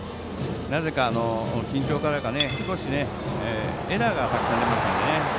緊張からか少しエラーがたくさん出ましたね。